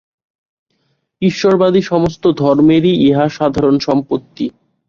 ঈশ্বরবাদী সমস্ত ধর্মেরই ইহা সাধারণ সম্পত্তি।